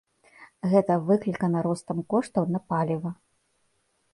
Гэта выклікана ростам коштаў на паліва.